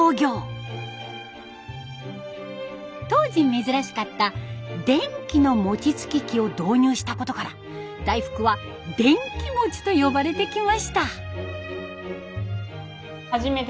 当時珍しかった電気の餅つき機を導入したことから大福は「電氣餅」と呼ばれてきました。